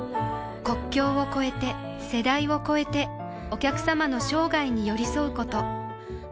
国境を超えて世代を超えてお客様の生涯に寄り添うこと